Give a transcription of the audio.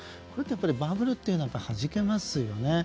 バブルっていうのははじけますよね。